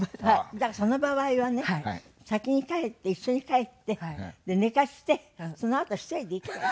だからその場合はね先に帰って一緒に帰って寝かせてそのあと１人で行けばいい。